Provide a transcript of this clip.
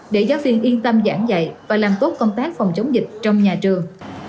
để giáo viên yên tâm giảng dạy và làm tốt công tác phòng chống dịch trong nhà trường